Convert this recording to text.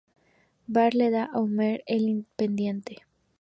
Bart le da a Homer el pendiente.